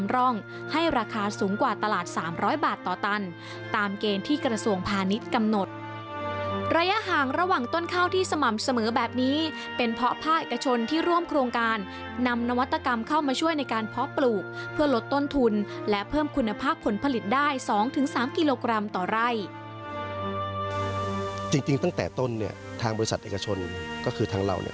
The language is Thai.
ราคาสูงกว่าตลาด๓๐๐บาทต่อตันตามเกณฑ์ที่กระทรวงพาณิชย์กำหนดระยะห่างระหว่างต้นข้าวที่สม่ำเสมอแบบนี้เป็นเพราะผ้าเอกชนที่ร่วมโครงการนำนวัตกรรมเข้ามาช่วยในการเพาะปลูกเพื่อลดต้นทุนและเพิ่มคุณภาคผลผลิตได้๒๓กิโลกรัมต่อไร่จริงตั้งแต่ต้นเนี่ยทางบริษัทเอกชนก็คือ